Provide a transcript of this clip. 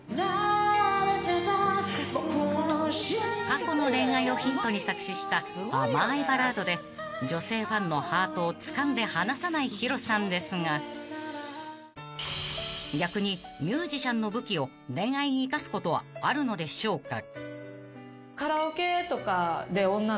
［過去の恋愛をヒントに作詞した甘いバラードで女性ファンのハートをつかんで離さないＨｉｒｏさんですが逆にミュージシャンの武器を恋愛に生かすことはあるのでしょうか］